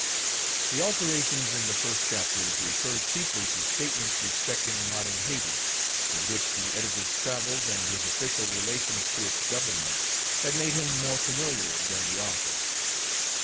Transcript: The alterations in the first chapters referred chiefly to statements respecting modern Hayti, with which the editor's travels and his official relations to its Government had made him more familiar than the author.